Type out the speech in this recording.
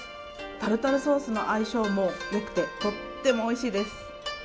タルタルソースの相性もよくて、とってもおいしいです。